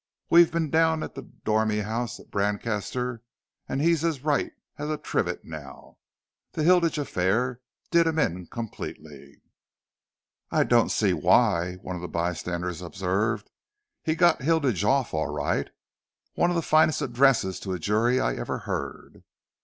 We've been down at the Dormy House at Brancaster and he's as right as a trivet now. That Hilditch affair did him in completely." "I don't see why," one of the bystanders observed. "He got Hilditch off all right. One of the finest addresses to a jury I ever heard."